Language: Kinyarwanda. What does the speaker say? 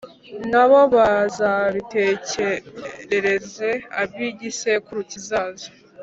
na bo bazabitekerereze ab’igisekuru kizaza!